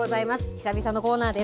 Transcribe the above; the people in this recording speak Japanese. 久々のコーナーです。